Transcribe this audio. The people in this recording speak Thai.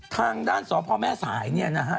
ทางด้านสพแม่สายเนี่ยนะฮะ